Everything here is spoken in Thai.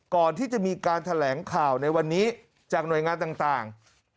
ก่อนที่จะมีการแถลงข่าวในวันนี้จากหน่วยงานต่าง